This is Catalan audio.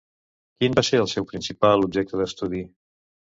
Quin va ser el seu principal objecte d'estudi?